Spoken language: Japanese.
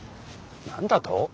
何だと？